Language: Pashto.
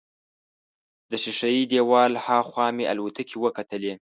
د ښیښه یي دیوال هاخوا مې الوتکې وکتلې.